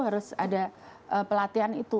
harus ada pelatihan itu